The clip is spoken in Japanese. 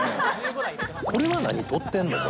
これは何撮ってんの？